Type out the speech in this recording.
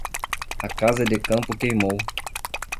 A casa de campo queimou.